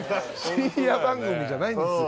深夜番組じゃないんです。